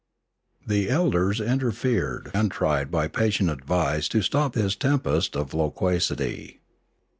The elders interfered and tried by patient advice to stop this tempest of loquacity.